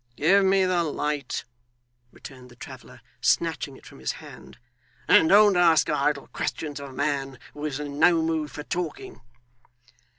'Give me the light,' returned the traveller, snatching it from his hand, 'and don't ask idle questions of a man who is in no mood for talking.